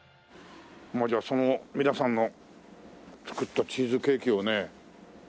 もうじゃあその皆さんの作ったチーズケーキをね。